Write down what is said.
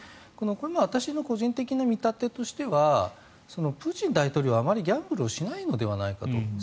私の個人的な見立てとしてはプーチン大統領はあまりギャンブルをしないのではないかと。